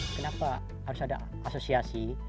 kenapa harus ada asosiasi